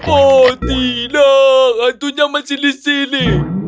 oh tidak hantunya masih di sini